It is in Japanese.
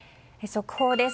速報です。